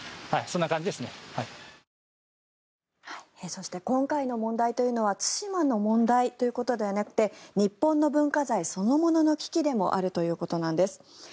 そして今回の問題というのは対馬の問題ということではなくて日本の文化財そのものの危機でもあるということです。